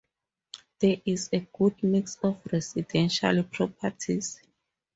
There is a good mix of residential properties.